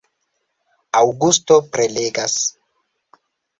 Aŭgusto prelegas.